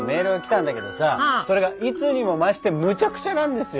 それがいつにも増してむちゃくちゃなんですよ。